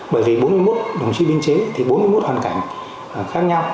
bởi vì bốn mươi một đồng chí biên chế thì bốn mươi một hoàn cảnh khác nhau